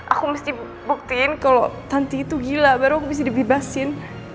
aku mesti buktiin kalau tanti itu gila baru aku bisa dibebasin